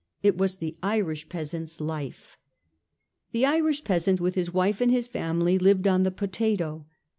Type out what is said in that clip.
It was the Irish peasant's life. The Irish peasant with his wife and his family lived on the potato.